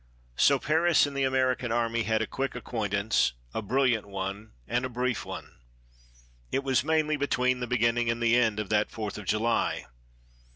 So Paris and the American Army had a quick acquaintance, a brilliant one and a brief one. It was mainly between the beginning and the end of that Fourth of July.